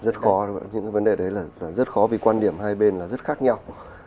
rất khó những cái vấn đề đấy là rất khó vì quan điểm hai bên là rất khác nhau